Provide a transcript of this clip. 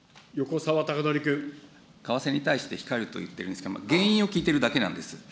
為替に対して控えると言ってるんですが、原因を聞いてるだけなんです。